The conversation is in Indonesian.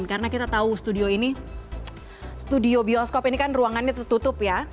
karena kita tahu studio ini studio bioskop ini kan ruangannya tertutup ya